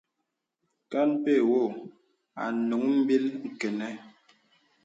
Kàn pɛ̂ wɔ̄ ànùŋ mbìl kənə.